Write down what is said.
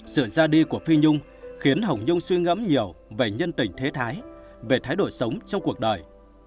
sự ra đi của phi nhung khiến hồng nhung suy ngẫm nhiều về nhân tình thế thái về thái đổi sống trong cuộc đời